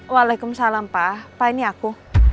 waalaikumsalam pak pak ini aku